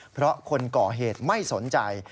เพราะคนก่อเหตุไม่สนใจ